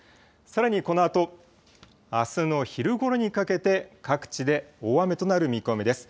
さらにこのあとあすの昼ごろにかけて各地で大雨となる見込みです。